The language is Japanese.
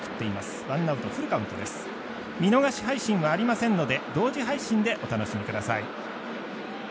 見逃し配信はありませんので同時配信でお楽しみください。